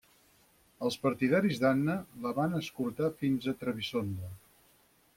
Els partidaris d'Anna la van escortar fins a Trebisonda.